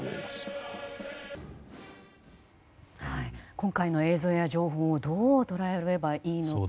今回の映像や情報をどう捉えればいいのか。